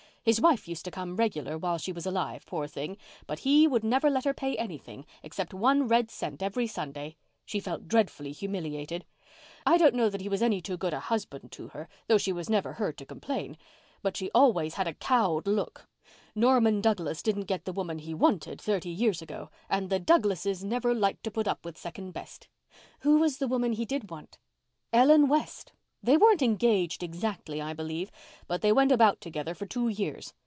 His wife used to come regular while she was alive, poor thing, but he never would let her pay anything, except one red cent every Sunday. She felt dreadfully humiliated. I don't know that he was any too good a husband to her, though she was never heard to complain. But she always had a cowed look. Norman Douglas didn't get the woman he wanted thirty years ago and the Douglases never liked to put up with second best." "Who was the woman he did want." "Ellen West. They weren't engaged exactly, I believe, but they went about together for two years.